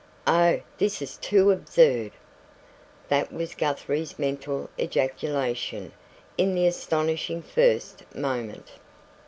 "Oh, this is too absurd!" That was Guthrie's mental ejaculation in the astonishing first moment.